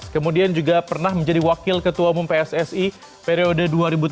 kemudian juga pernah menjadi wakil ketua umum pssi periode dua ribu tujuh belas dua ribu